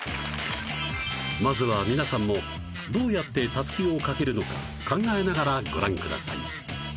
まずは皆さんもどうやってたすきを掛けるのか考えながらご覧ください